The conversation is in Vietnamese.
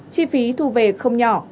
chi phí thu về không nhỏ